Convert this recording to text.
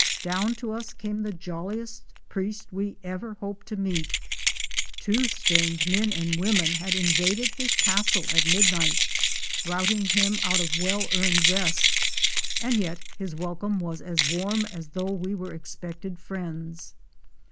Down to us came the jolliest priest we ever hope to meet. Two strange men and women had invaded his castle at midnight, routing him out of well earned rest, and yet his welcome was as warm as though we were expected THROUGH THE COASTAL WILDERNESS. 227 friends.